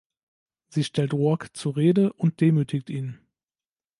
Sie stellt Roark zur Rede und demütigt ihn.